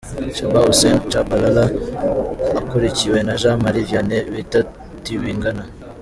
Shaban Hussein Tchabalala akurikiwe na Jean Marie Vianney bita Tibingana .